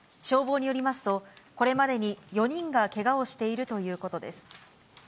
消防によりますと、これまでに４人がけがをしているということです。